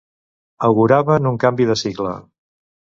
Auguraven un canvi de cicle.